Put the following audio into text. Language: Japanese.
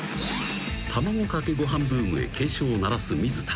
［卵かけご飯ブームへ警鐘を鳴らす水田］